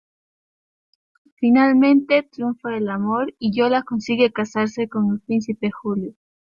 Finalmente triunfa el amor y Yola consigue casarse con el Príncipe Julio.